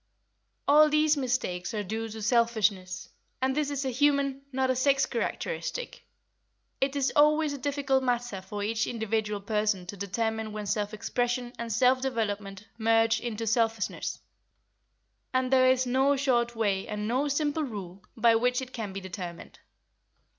All these mistakes are due to selfishness, and this is a human, not a sex characteristic. It is always a difficult matter for each individual person to determine when self expression and self development merge into selfishness, and there is no short way and no simple rule by which it can be determined.